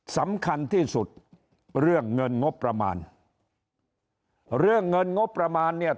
สำคัญที่สุดเรื่องเงินงบประมาณเรื่องเงินงบประมาณเนี่ย